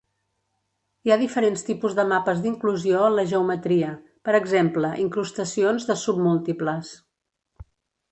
Hi ha diferents tipus de mapes d'inclusió en la geometria: per exemple, incrustacions de submúltiples.